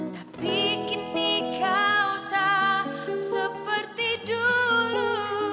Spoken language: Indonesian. tapi kini kau tak seperti dulu